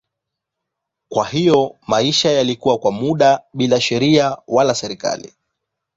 Kwa hiyo maisha yalikuwa kwa muda bila sheria wala serikali.